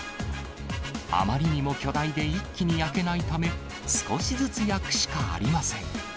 あまりにも巨大で一気に焼けないため、少しずつ焼くしかありません。